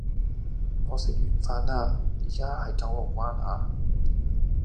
我食完飯啦，依家喺九龍灣啊